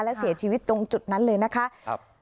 และเสียชีวิตตรงจุดนั้นเลยนะคะครับ